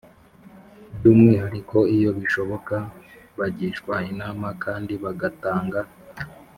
by'umwihariko. iyo bishoboka, bagishwa inama kandi bagatanga